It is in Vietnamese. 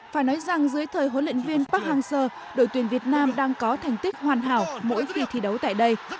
phải nói rằng dưới thời huấn luyện viên park hang seo đội tuyển việt nam đang có thành tích hoàn hảo mỗi khi thi đấu tại đây